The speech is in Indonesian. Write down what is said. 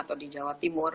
atau di jawa timur